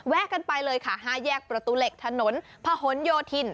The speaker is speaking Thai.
กันไปเลยค่ะ๕แยกประตูเหล็กถนนพะหนโยธิน